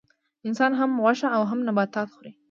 انسان هم غوښه او هم نباتات خوري